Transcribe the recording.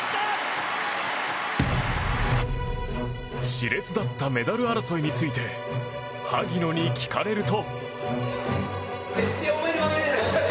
熾烈だったメダル争いについて萩野に聞かれると。